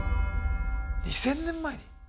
２，０００年前に？